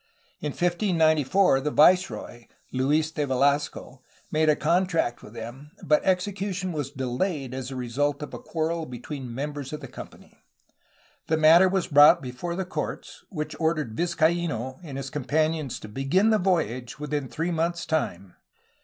In 1594 the viceroy, Luis de Velasco, made a contract with them, but execution was delayed as a result of a quarrel between members of the company. The matter was brought before the courts, which ordered Vizcaino and his com panions to begin the voyage within three months' time.